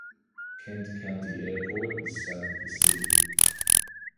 Kent County Airport is south of the city.